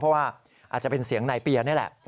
เพราะว่าอาจจะเป็นเสียงนายเปียนี่แหละ